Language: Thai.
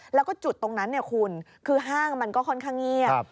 แล้วก็จุดตรงนั้นคุณคือห้างมันก็ค่อนข้างเงียบ